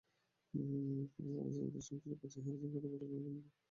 পরের সেমিতে সামশুর কাছে হেরে যান গতবারের রানারআপ ব্রাহ্মণবাড়িয়ার অলি বলী।